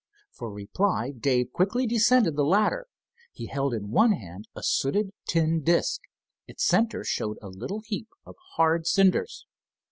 For reply Dave quickly descended the ladder. He held in one hand a sooted tin disc. Its center showed a little heap of hard cinders.